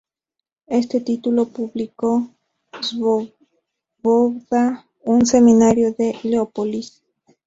Este último publicó "Svoboda", un semanario de Leópolis.